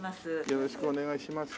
よろしくお願いします。